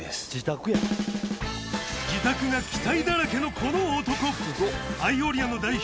自宅が機体だらけのこの男